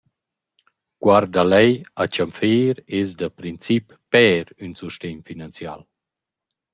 Guardalej a Champfèr, es da princip per ün sustegn finanzial.